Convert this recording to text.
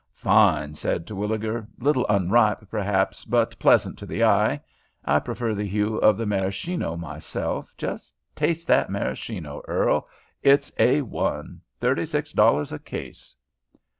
"Fine," said Terwilliger. "Little unripe, perhaps, but pleasant to the eye. I prefer the hue of the Maraschino, myself. Just taste that Maraschino, Earl. It's A1; thirty six dollars a case."